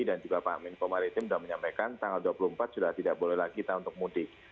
dan juga pak amin komaritim sudah menyampaikan tanggal dua puluh empat sudah tidak boleh lagi untuk mudik